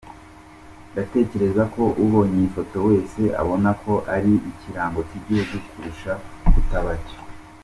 Ndatekerezako ubonye iyi foto wese abona ko ari ikirango cy’igihugu kurusha kutaba cyo.